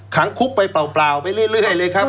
ขังคุกไปเปล่าไปเรื่อยเลยครับ